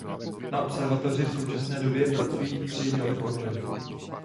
Na observatoři v současné době pracují tři dalekohledy.